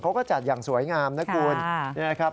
เขาก็จัดอย่างสวยงามนะคุณ